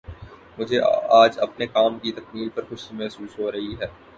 مجھے آج اپنے کام کی تکمیل پر خوشی محسوس ہو رہی ہے